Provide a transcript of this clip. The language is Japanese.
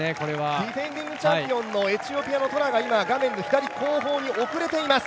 ディフェンディングチャンピオンの、エチオピアのトラが画面の左後方に遅れています。